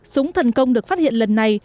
súng thần công được phát hiện lần này